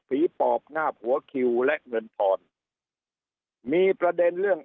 ภีร์ปอบหน้าหัวคิวและเงินพอร์นมีประเด็นเรื่อง